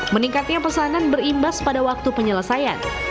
meningkatnya pesanan berimbas pada waktu penyelesaian